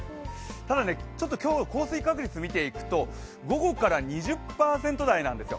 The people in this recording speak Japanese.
ただ今日の降水確率を見ていくと午後から２０％台なんですよ。